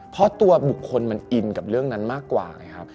เพราะตัวบุคคลมันอินกับเรื่องนั้นมากกว่าไงครับ